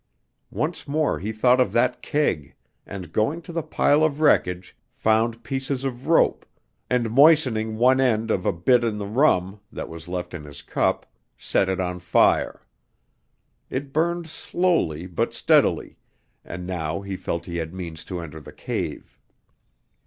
Once more he thought of that keg, and going to the pile of wreckage, found pieces of rope, and moistening one end of a bit in the rum that was left in his cup, set it on fire. It burned slowly but steadily, and now he felt he had means to enter the cave.